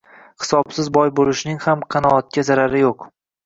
Hisobsiz boy bo'lishning ham qanoatga zarari yo'q.